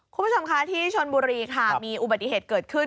คุณผู้ชมคะที่ชนบุรีค่ะมีอุบัติเหตุเกิดขึ้น